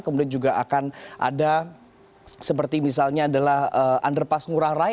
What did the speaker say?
kemudian juga akan ada seperti misalnya adalah underpass ngurah rai